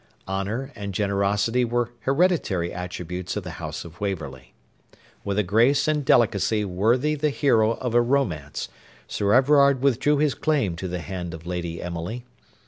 Honour and generosity were hereditary attributes of the house of Waverley. With a grace and delicacy worthy the hero of a romance, Sir Everard withdrew his claim to the hand of Lady Emily.